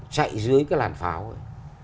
chạy dưới cái làn pháo ấy